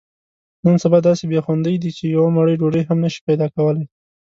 نن سبا داسې بې خوندۍ دي، چې یوه مړۍ ډوډۍ هم نشې پیداکولی.